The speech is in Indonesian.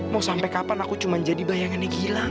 mau sampe kapan aku cuma jadi bayanginnya gilang